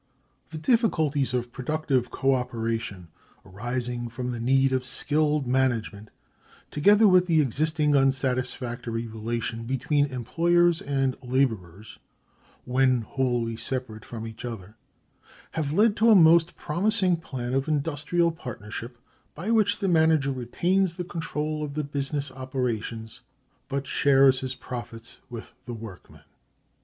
The difficulties of productive co operation arising from the need of skilled management, together with the existing unsatisfactory relation between employers and laborers when wholly separate from each other, have led to a most promising plan of industrial partnership by which the manager retains the control of the business operations, but shares his profits with the workmen.